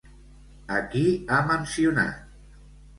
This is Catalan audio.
A qui ha mencionat?